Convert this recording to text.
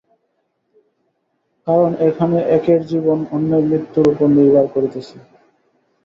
কারণ এখানে একের জীবন অন্যের মৃত্যুর উপর নির্ভর করিতেছে।